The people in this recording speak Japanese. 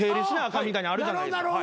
かんみたいにあるじゃないですか。